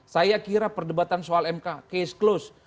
saya kira perdebatan soal mk case close